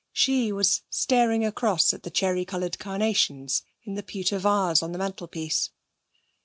She was staring across at the cherry coloured carnations in the pewter vase on the mantelpiece.